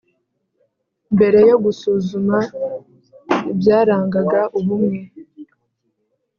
mbere yo gusuzuma ibyarangaga ubumwe